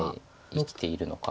生きているのか。